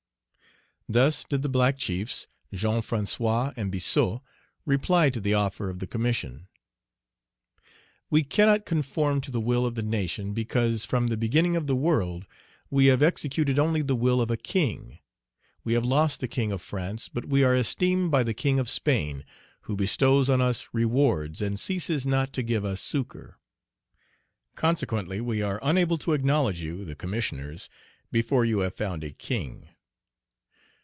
Thus did the black chiefs, Jean François and Biassou, reply to the offer of the Commission: "We cannot conform to the will of the nation, because, from the beginning of the world, we have executed only the will of a king: we have lost the king of France, but we are esteemed by the king of Spain, who bestows on us rewards, and ceases not to give us succor; consequently we are unable to acknowledge you, the Commissioners, before you have found a king."